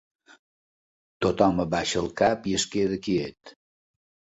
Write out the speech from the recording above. Tothom abaixa el cap i es queda quiet.